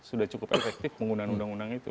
sudah cukup efektif menggunakan undang undang itu